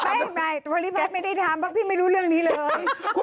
ไม่โพลิพัสไม่ได้ทำเพราะพี่ไม่รู้เรื่องนี้เลย